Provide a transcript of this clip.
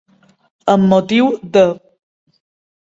Amb motiu de.